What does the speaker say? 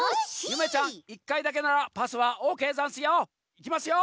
ゆめちゃん１かいだけならパスはオーケーざんすよ。いきますよ。